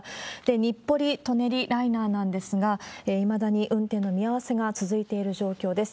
日暮里・舎人ライナーなんですが、いまだに運転の見合わせが続いている状況です。